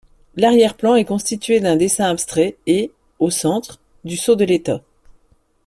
L'arrière-plan est constitué d'un dessin abstrait et, au centre, du sceau de l'État.